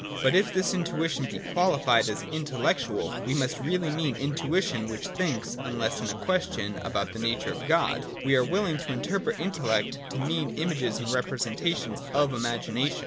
But if this intuition be qualified as intellectual, we must really mean intuition which thinks, unless, in a question about the nature of God, we are willing to interpret intel lect to mean images and representations of imagination.